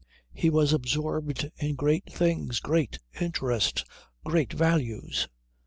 He was absorbed in great things, great interests, great values.